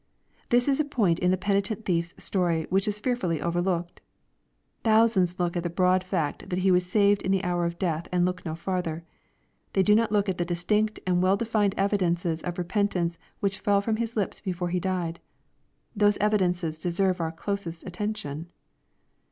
This is a point in the penitent thief's story which is fearfully overlooked. Thousands look at the broad fact that he was saved in the hour of death, and look no further. They do not look at the distinct and well defined evidences of re pentance which fell from his lips before he died. Those evidences deserve our closest attention.